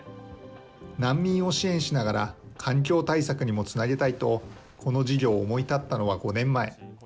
難民を支援しながら、環境対策にもつなげたいと、この事業を思い立ったのが５年前。